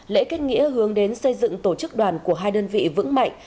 lễ kết nghĩa hướng đến xây dựng tổ chức đoàn của hai đơn vị vững mạnh